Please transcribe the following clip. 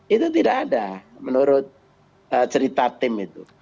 itu tidak ada menurut cerita tim itu